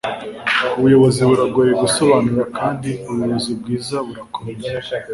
ubuyobozi buragoye gusobanura kandi ubuyobozi bwiza burakomeye